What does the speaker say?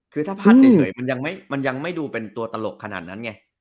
คือถ้าพลาดเฉยมันยังไม่ดูเป็นตัวตลกขนาดนั้นไง